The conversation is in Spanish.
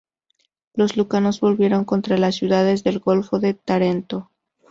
Los lucanos volvieron contra las ciudades del golfo de Tarento.